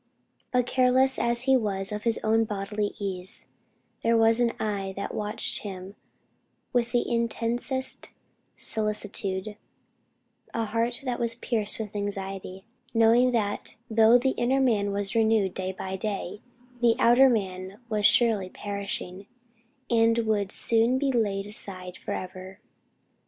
But careless as he was of his own bodily ease, there was an eye that watched him with the intensest solicitude; a heart that was pierced with anxiety, knowing that though "the inner man was renewed day by day," the outer man was too surely "perishing," and would soon be laid aside, forever.